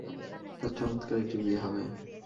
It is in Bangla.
তাঁর চমৎকার একটি বিয়ে হবে।